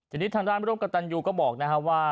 จดินทางร้านไว้รบกับตันนยูก็บอกนะครับว่า